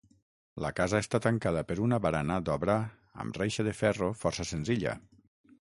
La casa està tancada per una barana d'obra amb reixa de ferro força senzilla.